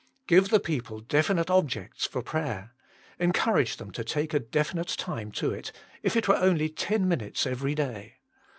Give the people definite objects for prayer. Encourage them to take a definite time to it, if it were only ten minutes every day.